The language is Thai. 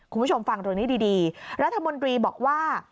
คุณผู้ชมฟังตรงนี้ดีรัฐมนตรีบอกว่า